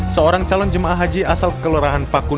seorang calon jamaah haji asal kelurahan pakun